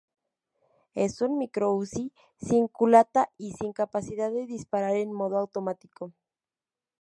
Es un Micro-Uzi sin culata y sin capacidad de disparar en modo automático.